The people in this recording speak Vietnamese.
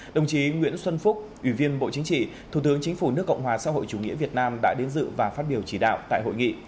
đồng chí nguyễn xuân phúc ủy viên bộ chính trị thủ tướng chính phủ nước cộng hòa xã hội chủ nghĩa việt nam đã đến dự và phát biểu chỉ đạo tại hội nghị